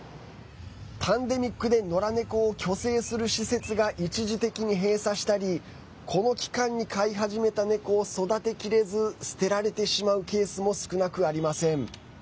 パンデミックでのら猫を去勢する施設が一時的に閉鎖したりこの期間に飼い始めた猫を育てきれず捨てられてしまうケースも少なくありません。